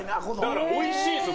だからおいしいんですよ。